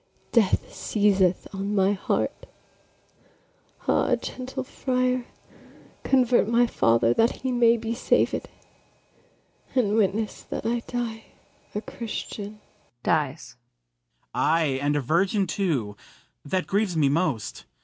Death seizeth on my heart: ah, gentle friar, Convert my father that he may be sav'd, And witness that I die a Christian! [Dies.] FRIAR BARNARDINE. Ay, and a virgin too; that grieves me most.